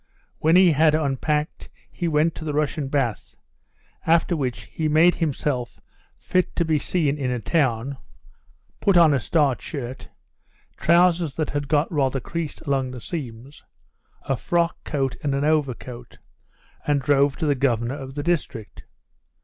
When he had unpacked he went to the Russian bath, after which he made himself fit to be seen in a town, put on a starched shirt, trousers that had got rather creased along the seams, a frock coat and an overcoat, and drove to the Governor of the district.